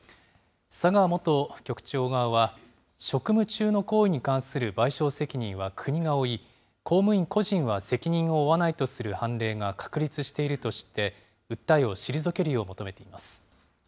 佐川元局長側は職務中の行為に関する賠償責任は国が負い、公務員個人は責任を負わないとする判例が確立しているとして訴えを退けるよう求めています。